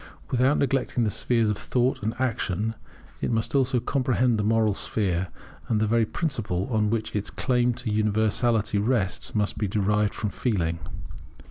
Without neglecting the spheres of Thought and Action it must also comprehend the moral sphere; and the very principle on which its claim to universality rests must be derived from Feeling.